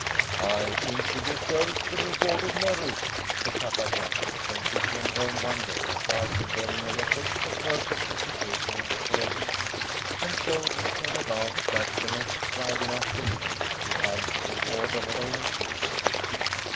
"I think she deserves a reward of merit," said Papa Jack when she came home one day, proudly bearing a record of perfect recitations for a week. And so it came about that the next Friday afternoon she had a reward of her own choosing.